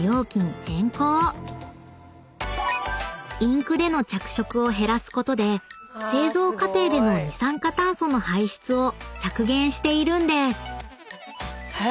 ［インクでの着色を減らすことで製造過程での二酸化炭素の排出を削減しているんです］